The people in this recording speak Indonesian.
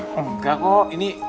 oh enggak kok ini